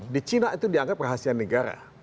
di china itu dianggap rahasia negara